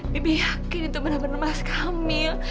bibi yakin itu bener bener mas kamil